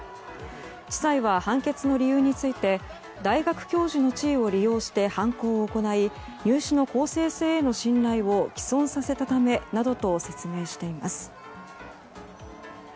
地裁は判決の理由について大学教授の地位を利用して犯行を行い入試の公正性への信頼を毀損させたためなどと説明しています。